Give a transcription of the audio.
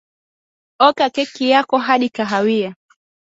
oka keki yako hadi kahawia